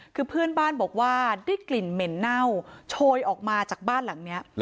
คือเพื่อนบ้านบอกว่าได้กลิ่นเหม็นเน่าโชยออกมาจากบ้านหลังนี้